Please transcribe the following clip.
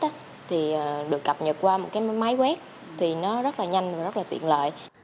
những thông tin của khách được cập nhật qua máy quét thì nó rất là nhanh và rất là tiện lợi